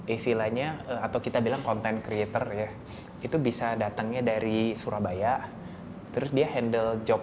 istilahnya atau kita bilang content creator ya itu bisa datangnya dari surabaya terus dia handle job